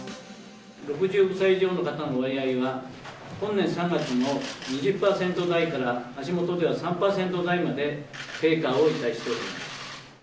６５歳以上の方の割合は、本年３月の２０％台から、足元では足元では３０％台まで低下をしております。